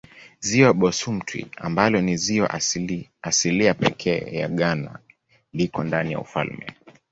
Ziwa Bosumtwi ambalo ni ziwa asilia pekee ya Ghana liko ndani ya ufalme.